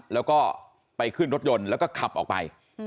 แล้วก็ไปขึ้นรถยนต์แล้วก็ขับออกไป